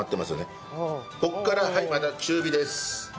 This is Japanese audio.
ここからはいまた中火です。